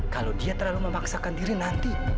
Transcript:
kalau dia terlalu memaksakan diri nanti